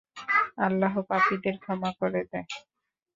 আল্লাহ পাপীদের ক্ষমা করে দেয়।